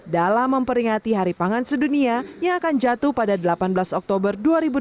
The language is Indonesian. dalam memperingati hari pangan sedunia yang akan jatuh pada delapan belas oktober dua ribu delapan belas